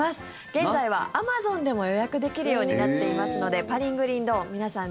現在はアマゾンでも予約できるようになっていますので「パリングリンドーン」皆さん